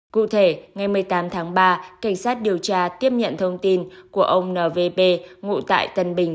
cụ thể ngày một mươi tám tháng ba cảnh sát điều tra tiếp nhận thông tin của ông nvp ngụ tại tân bình